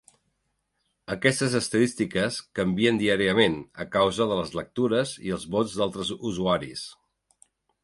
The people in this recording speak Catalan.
Aquestes estadístiques canvien diàriament, a causa de les lectures i els vots d'altres usuaris.